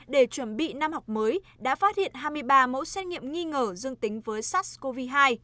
để chuẩn bị năm học mới đã phát hiện hai mươi ba mẫu xét nghiệm nghi ngờ dương tính với sars cov hai